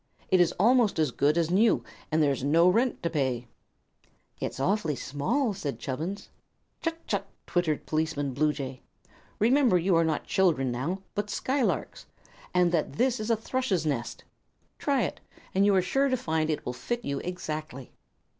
It is almost as good as new, and there is no rent to pay." "It's awfully small!" said Chubbins. "Chut chut!" twittered Policeman Bluejay. "Remember you are not children now, but skylarks, and that this is a thrush's nest. Try it, and you are sure to find it will fit you exactly."